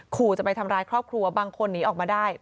ขู่จะไปทำร้ายครอบครัวบางคนหนีออกมาได้